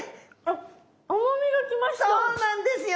そうなんですよ。